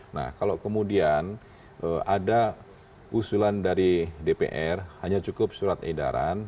nah kalau kemudian ada usulan dari dpr hanya cukup surat edaran